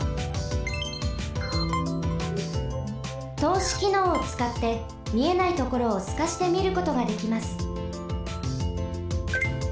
とうしきのうをつかってみえないところをすかしてみることができます。